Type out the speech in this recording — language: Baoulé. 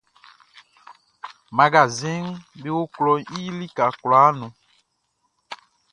Magasinʼm be o klɔʼn i lika kwlaa nun.